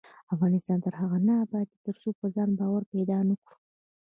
افغانستان تر هغو نه ابادیږي، ترڅو پر ځان باور پیدا نکړو.